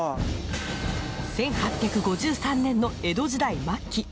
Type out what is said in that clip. １８５３年の江戸時代末期。